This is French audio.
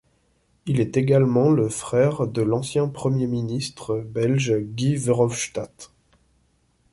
Il est également le frère de l'ancien premier ministre belge Guy Verhofstadt.